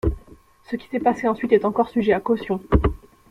Ce qui s'est passé ensuite est encore sujet à caution.